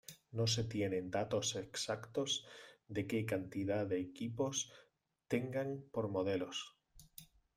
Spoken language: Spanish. No se tienen datos exactos de que cantidad de equipos tengan por modelos.